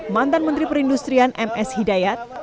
mantan menteri perindustrian ms hidayat